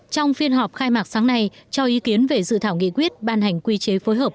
trong phiên họp khai mạc sáng nay cho ý kiến về dự thảo nghị quyết ban hành quy chế phối hợp